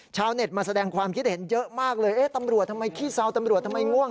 ชาวเน็ตมาแสดงความคิดเห็นเยอะมากเลยเอ๊ะตำรวจทำไมขี้เซาตำรวจทำไมง่วง